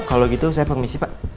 kalau gitu saya permisi pak